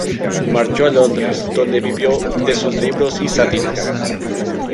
Marchó a Londres, donde vivió de sus libros y sátiras.